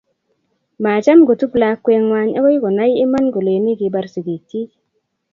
macham kotup lakwee ng'wang okoi konai iman koleni kibar sikiik chii.